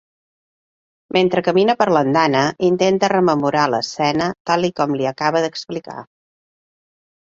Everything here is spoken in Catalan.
Mentre camina per l'andana intenta rememorar l'escena tal i com l'hi acaba d'explicar.